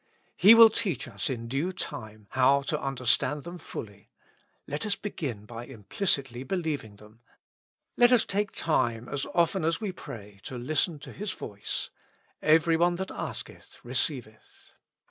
He will teach us in due time how to under stand them fully ; let us begin by implicitly believing them. Let us take time, as often as we pray, to listen to his voice : Every one that asketh, receiveth.